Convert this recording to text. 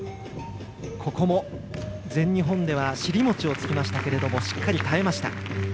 ここも全日本では尻餅をつきましたけどもしっかり耐えました。